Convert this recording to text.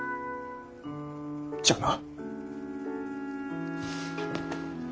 じゃあな。